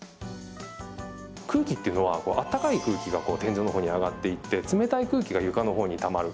空気っていうのは温かい空気が天井のほうに上がっていって冷たい空気が床のほうにたまる。